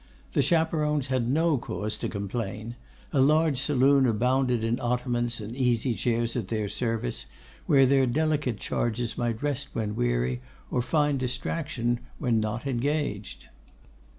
The chaperons had no cause to complain. A large saloon abounded in ottomans and easy chairs at their service, where their delicate charges might rest when weary, or find distraction when not engaged.